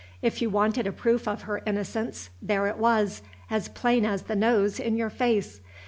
If you wanted a proof of her innocence, there it was, as plain as the nose in your face.